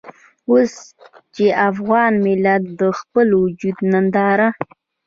اوس چې افغان ملت د خپل وجود ننداره.